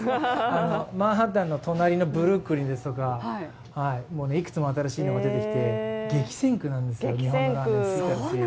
マンハッタンの隣のブルックリンですとかいくつも新しいものができてて激戦区なんですよ、日本のラーメン。